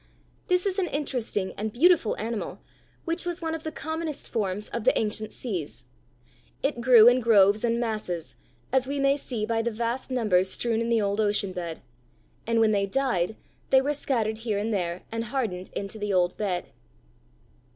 This is an interesting and beautiful animal which was one of the commonest forms of the ancient seas. It grew in groves and masses, as we may see by the vast numbers strewn in the old ocean bed; and when they died, they were scattered here and there and hardened into the old bed.